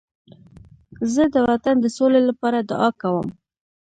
زه د وطن د سولې لپاره دعا کوم.